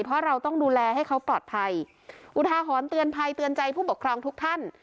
เพราะเราต้องดูแลให้เขาปลอดภัยอุทาหรณ์เตือนภัยเตือนใจผู้ปกครองทุกท่าน